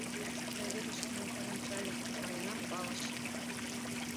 Леведышым нӧлтал ончале, Маринам палыш.